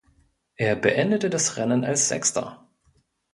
Er beendete das Rennen als Sechster.